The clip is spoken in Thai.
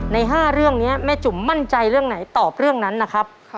ใน๕เรื่องนี้แม่จุ่มมั่นใจเรื่องไหนตอบเรื่องนั้นนะครับ